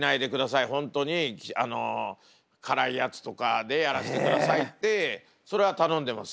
本当に辛いやつとかでやらせてくださいってそれは頼んでます。